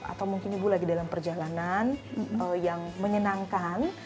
atau mungkin ibu lagi dalam perjalanan yang menyenangkan